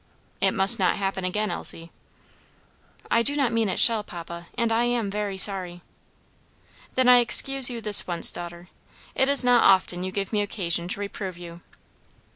"It must not happen again, Elsie." "I do not mean it shall, papa, and I am very sorry." "Then I excuse you this once, daughter; it is not often you give me occasion to reprove you."